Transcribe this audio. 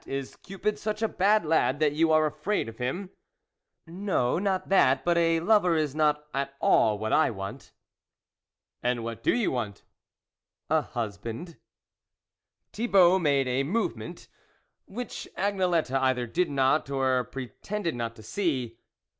Is Cupid such a bad lad that you are afraid of him ?"" No, not that, but a lover is not at all what I want." " And what do you want ?"" A husband." Thibault made a movement, which Agnelette either did not, or pretended not to see.